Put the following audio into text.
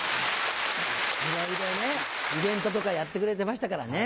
いろいろねイベントとかやってくれてましたからね。